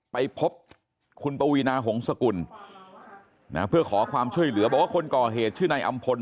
ไปพบคุณปวีนาหงษกุลเพื่อขอความช่วยเหลือบอกว่าคนก่อเหตุชื่อนายอำพล